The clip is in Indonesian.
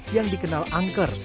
yang dikenal angker